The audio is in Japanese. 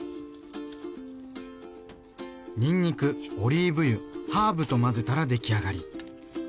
にんにくオリーブ油ハーブと混ぜたら出来上がり。